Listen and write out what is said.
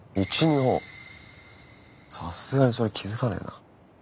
さすがにそれ気付かないな。